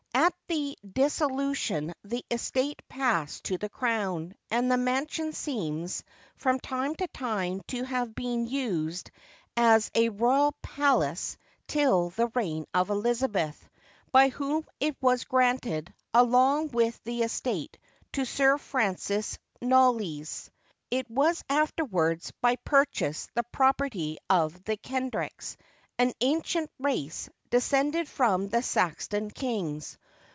At the Dissolution the estate passed to the crown, and the mansion seems, from time to time, to have been used as a royal 'palace' till the reign of Elizabeth, by whom it was granted, along with the estate, to Sir Francis Knollys; it was afterwards, by purchase, the property of the Kendricks, an ancient race, descended from the Saxon kings.